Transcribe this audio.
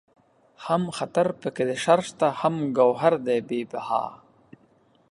هم خطر پکې د شر شته هم گوهر دئ بې بها